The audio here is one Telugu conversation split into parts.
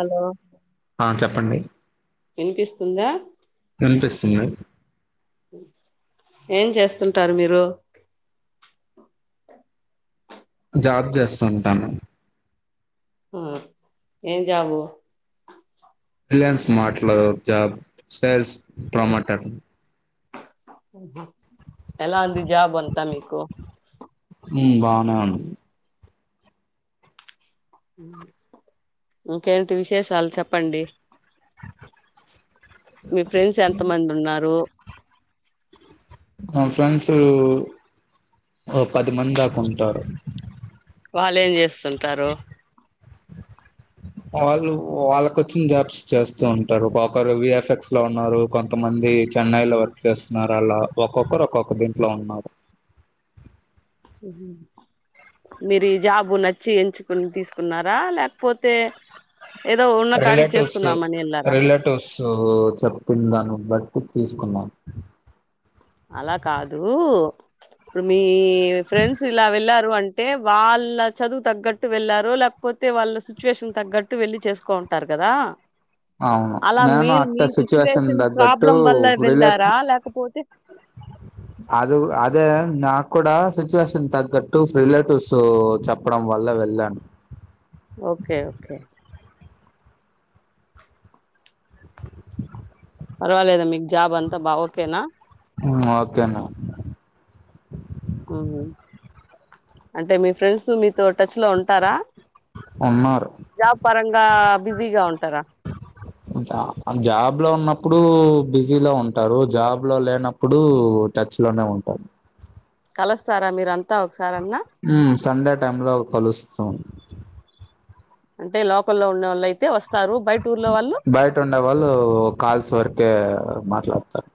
హలో ఆ చెప్పండి వినిపిస్తుందా వినిపిస్తుంది ఏం చేస్తుంటారు మీరు జాబ్ చేస్తా ఉంటాను ఆ ఏం జాబ్ యు రిలయన్స్ మార్ట్ లో జాబ్ సేల్స్ ప్రమాటర్ ఎలా అంది జాబ్ అంతా మీకు ఉ బానే ఉంది ఇంకేంటి విశేషాలు చెప్పండి మీ ఫ్రెండ్స్ ఎంత మంది ఉన్నారు నా ఫ్రెండ్స్ ఓ పది మంది దాకా ఉంటారు వాళ్ళు ఏం చేస్తుంటారు వాళ్ళు వాళ్ళకొచ్చిన జాబ్స్ చేస్తూ ఉంటారు ఒ ఒకరు విఎఫ్ఎక్స్ లో ఉన్నారు కొంతమంది చెన్నై లో చేస్తున్నారు అలా ఒక్కొక్కరు ఒక్కొక్కరు దీంట్లో ఉన్నారు మరి జాబు నా చే ఎంచుకుని తీసుకున్నారా లేకపోతే ఏదో ఉన్న కాడికి రిలేటివ్స్ చేసుకుందామని వెళ్ళారా రిలేటివ్స్ చెప్తుంది దాన్ని బట్ కుత్ తీసుకున్నా అలా కాదు ఇప్పుడు మీ ఫ్రెండ్స్ ఇలా వెళ్ళారు అంటే వాళ్ళ చదువు తగ్గట్టు వెళ్లారు లేకపోతే వాళ్ళ సిచ్యువేషన్ తగ్గట్టు వెళ్లి చేసుకోం టారు కదా అవును అలా నేను మీరు మీ అట్ట సిచ్యువేషన్ తగ్గట్టు ప్రాబ్లం వల్ల రిలేట్ వెళ్ళారా లేకపోతే అది అదే నాకు కూడా సిచ్యువేషన్ తగ్గట్టు రిలేటివ్స్ చెప్పడం వల్ల వేలం ఓకే ఓకే పర్వాలేదా మీకు జాబ్ అంతా బా ఓకేనా ఉ ఓకే అన్న హ్మ్. అంటే మీ ఫ్రెండ్స్ మీతో, టచ్ లో ఉంటారా? ఉన్నారు జాబ్ పరంగా బిజీగా ఉంటారా జాబ్ లో ఉన్నప్పు ఇప్పుడు బిజీలో ఉంటారు, జాబ్ లో లేనప్పుడు టచ్ లోనే ఉంటారు. కలుస్తారా మీరంతా, ఒకసారాన్నా. సండే టైంలో కలుస్తూన్, అంటే లోకల్లో ఉన్నోళ్ అయితే ఓస్త్, బయట ఉండేవాళ్ళు, కాల్స్ వరకే మాట్లాడతార్.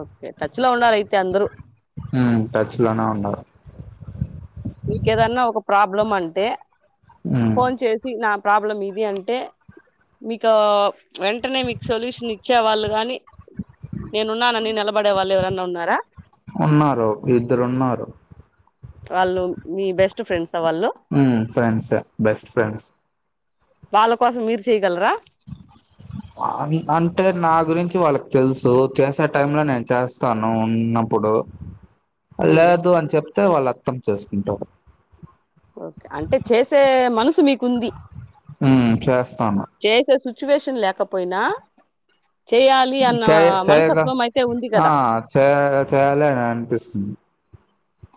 ఓకే, టచ్ లో ఉన్నారైతే అందరు. ఉమ్ టచ్ లోనే ఉన్నారు. మీకేదన్నా ఒక ప్రాబ్లం అంటే, ఫోన్ చేసి నా ప్రాబ్లం ఇది అంటే, మీకో, వెంటనే మీకు సొల్యూషన్ ఇచ్చే వాళ్ళు గాని, నేనున్నానని నిలబడే వాళ్ళు, ఎవరన్నా ఉన్నారా? ఉన్నారు, ఇద్దరున్నారు. వాళ్ళు, మీ బెస్ట్ ఫ్రెండ్స్. ఉమ్ ఫ్రెండ్సే, బెస్ట్ ఫ్రెండ్స్. వాళ్ళ కోసం, మీర్ చేయ్గలరా. ఆ నీ అంటే నా గురించి వాళ్ళకి తెల్సు, చేసే టైం లో నేన్ చేస్తాను, ఉన్నప్పుడ్ డు. లేదు అని చెప్తే వాళ్ళు అత్తం చేసుకుంటారు. ఓకే. అంటే చేసే మనసు మీక్ ఉంది. ఉమ్ చేస్తాను చేసే సిచ్యువేషన్ లేకపోయినా, చేయ్యలి అన్న, చేయ చేయగా మనసత్వం అయితే ఉంది ఆ కదా. చేయ చేయాలి అని అనిపిస్తుంది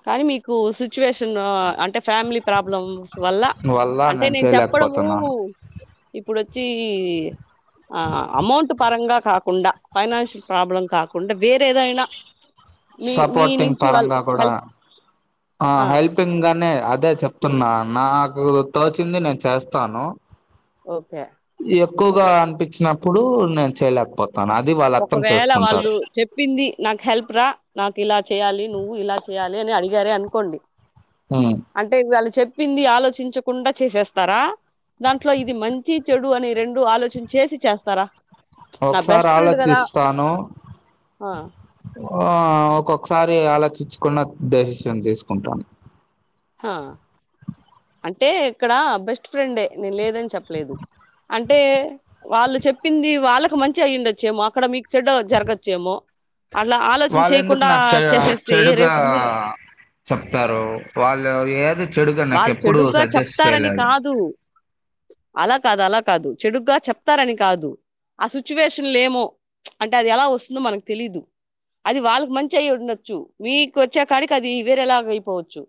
కానీ మీకు సిచ్యువేషను అంటే, ఫ్యామిలీ ప్రాబ్లమ్స్ వల్ల, వల్ల అంటే నేను చెప్పడము చేయలేకపోతున్నాను ఇప్పుడ్ చీ, ఆ అమౌంట్ పరంగా కాకుండా, ఫైనాన్షియల్ ప్రాబ్లం కాకుండా వేరేదైనా మీ, మీ సపోర్టింగ్ నుంచి వాళ్ళు పరంగా కూడా హెల్ప్ ఆ హెల్పింగనే, అదే చెప్తున్నా, నాకు తోచింది నేన్ చేస్తాను. ఓకే. ఎక్కువగా అనిపించినప్పుడు, నేన్ చేయలేకపోత్ ఒకవేళ వాళ్ళు చెప్పింది, నాక్ హెల్ప్ రా నాకు ఇలా చేయ్యాలి, నువ్వు ఇలా చేయ్యాలి అని అడిగారే అనుకోండి, ఉమ్, అంటే వాళ్ళు చెప్ ప్పింది, ఆలోచించకుండా చేసేస్తారా. దాంట్లో ఇది మంచి, చెడు అని రెండు ఆలోచన్ చేసి చేస్తారా. నా ఒక్సారి బెస్ట్ ఫ్రెండ్ కదా ఆలోచిస్తాను. ఆ, ఆ ఒక్కొక్కసారి ఆలోచిచ్చుకున్న డెశిషన్ తీసుకుంటాను. హా, అంటే ఇక్కడ బెస్ట్ ఫ్రెండే, నేన్ లేదని చెప్పలేదు. అంటే, వాళ్ళు చెప్పింది వాళ్ళక్ మంచి అయ్యుండొచ్చేమో, అక్కడ మీక్ చేడో జరగచ్చేమో. అట్లా ఆలోచన వాళ్ ఎందుకు చేయకుండా నాకు చెడు, చేసేస్తే చెడుగా రేపు మీరు చెప్తారు. వాళ్ ళ్ళు ఏది. చెడుగా నాకు వాళ్ ఎప్పుడు చెడుగా సజెస్ట్ చెప్తారని చేయలేదు కాదు, అలా కాద్, అలా కాదు. చెడుగా చెప్తారని కాదు. ఆ సిచ్యువేషన్ లేమో, అంటే అది ఎలా వస్తుందో మనక్ తెలీదు. అది వాళ్ళకి మంచి అయ్యుండొచ్చు. మీకు వచ్చే కాడికి అది, వేరేలాగ అయిపోవచ్చు.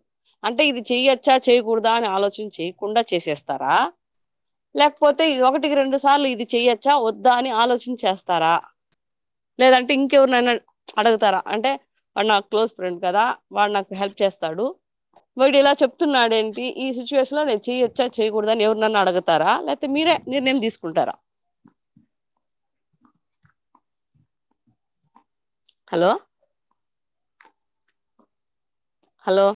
అంటే ఇది చెయచ్చా, చేయ్యకూడదా అని ఆలోచన చేయకుండా చేసేస్తారా. లేక్పోతే, ఇది ఒకటికి రెండు సార్లు ఇది చెయొచ్చా, వద్దా అని ఆలోచిన్ చేస్తారా. లేదంటే ఇంకెవరినైనాన్ అడుగుతారా. అంటే వాడు నా క్లోజ్ ఫ్రెండ్ కదా, వాడు నాకు హెల్ప్ చేస్తాడు. వీడ్ ఇలా చెప్ తున్నాడెంటి. ఈ సిచ్యువేషన్ లో నేన్ చేయొచ్చా, చేయకూడదని ఎవర్నాన్నా అడుగతారా. లేకతే మీరే నిర్ణయం తీసుకుంటా టారా. Hello hello